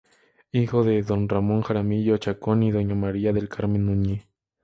Hijo de don Ramón Jaramillo Chacón y doña María del Carmen Niño.